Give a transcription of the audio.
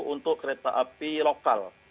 untuk kereta api lokal